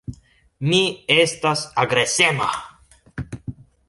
Mi estas agresema.